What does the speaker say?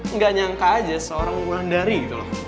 nggak nyangka aja seorang wulandari gitu loh